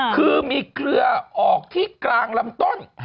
คือมีเครือออกที่กลางลำต้น